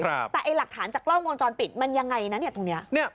แต่ไอ้หลักฐานจากกล้องวงจรปิดมันยังไงนะเนี่ยตรงเนี้ย